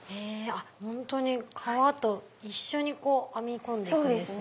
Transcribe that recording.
本当に革と一緒に編み込んでいくんですね。